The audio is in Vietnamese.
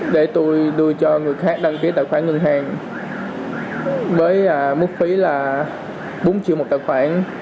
để tôi đưa cho người khác đăng ký tài khoản ngân hàng với mức phí là bốn triệu một tài khoản